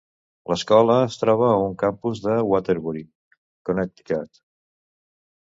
L'escola es troba a un campus de Waterbury, Connecticut.